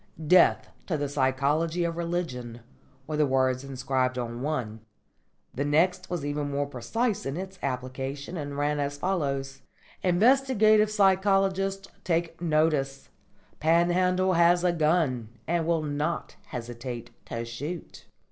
"Death to the Psychology of Religion" were the words inscribed on one. The next was even more precise in its application, and ran as follows: "_Inquisitive psychologists take notice! Panhandle has a gun, And will not hesitate to shoot.